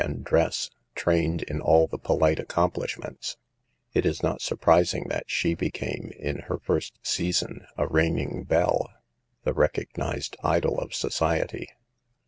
15 and dress, trained in all the polite accomplish ments, it is not surprising that she became, in her first "season" a reigning "belle," the recognized idol of society.